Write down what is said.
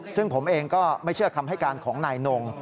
ซึ่งผมเองก็ไม่เชื่อคำให้การของนายนง